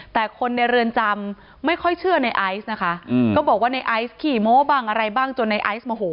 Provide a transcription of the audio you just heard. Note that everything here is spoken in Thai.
แต่คนในเรือนจำไม่ค่อยเชื่อในไอซ์นะคะก็บอกว่าในไอซ์ขี่โม้บ้างอะไรบ้างจนในไอซ์โมโห